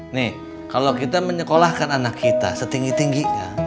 nih kalau kita menyekolahkan anak kita setinggi tingginya